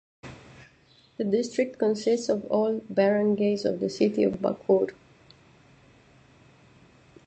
The district consists of all barangays of the city of Bacoor.